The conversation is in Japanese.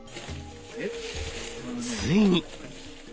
ついに。